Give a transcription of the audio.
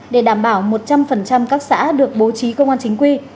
để đảm bảo một trăm linh các xã được bố trí công an chính quy